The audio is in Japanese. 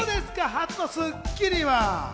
初の『スッキリ』は。